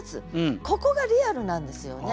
ここがリアルなんですよね。